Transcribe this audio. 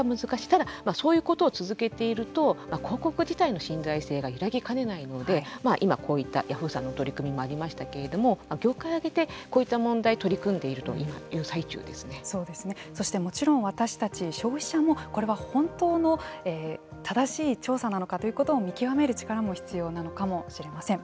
ただ、そういうことを続けていると広告自体の信頼性が揺らぎかねないので今こういったヤフーさんの取り組みもありましたけれども業界を挙げてこういった問題に取り組んでいるというもちろん私たち消費者もこれは本当の正しい調査なのかということを見極める力も必要なのかもしれません。